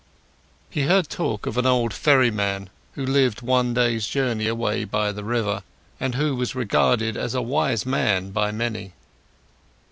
He heard talk of an old ferryman, who lived one day's journey away by the river, and who was regarded as a wise man by many.